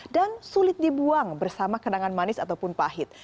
dan sulit dibuang bersama kenangan manis ataupun pahit